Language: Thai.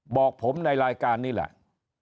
บอกผมในรายการนี้แหละ